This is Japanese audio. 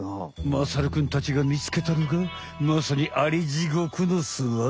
まさるくんたちがみつけたのがまさにアリジゴクの巣穴。